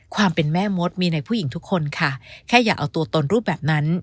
ความเป็นแม่มดมีในผู้หญิงทุกคนค่ะแค่อย่าเอาตัวตนรูปแบบนั้น